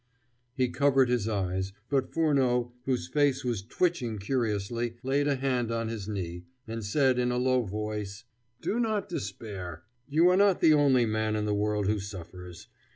He covered his eyes, but Furneaux, whose face was twitching curiously, laid a hand on his knee, and said in a low voice: "Do not despair. You are not the only man in the world who suffers.